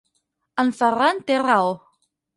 El Ferran té raó.